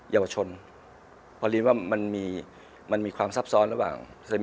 ยาวชนพอไม่ว่ามันมีมันมีความซับซ้อนระหว่าง